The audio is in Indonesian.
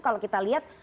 kalau kita lihat